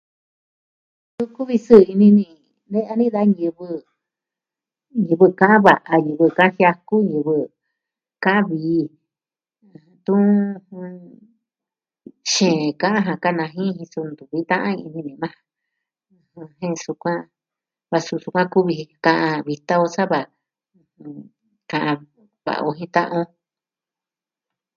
Suu, kuvi sɨɨ ini ni ne'ya ni da ñivɨ, ñivɨ ka'an va'a, ñivɨ ka'an jiaku, ñivɨ ka'an vii. tun... xeen ka'an ja kanaji jin suu ntuvi, ta'an ini ni majan. Jen sukuan, va suu sukuan kuvi ji kaa vitan sava ɨjɨn... Ka... Ka'an va'a o jin ta'an on.